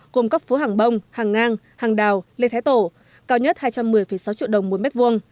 gồm các phố hàng bông hàng ngang hàng đào lê thái tổ cao nhất hai trăm một mươi sáu triệu đồng mỗi mét vuông